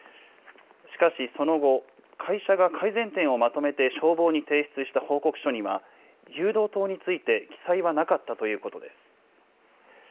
しかしその後、会社が改善点をまとめて消防に提出した報告書には、誘導灯について記載はなかったということです。